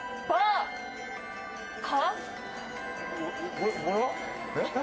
これこれは？何？